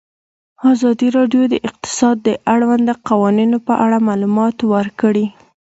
ازادي راډیو د اقتصاد د اړونده قوانینو په اړه معلومات ورکړي.